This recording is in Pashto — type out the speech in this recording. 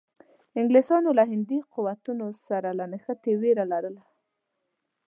انګلیسانو له هندي قوتونو سره له نښتې وېره لرله.